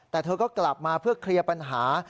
แต่เธอก็กลับมาเพื่อเคลียร์ปัญหา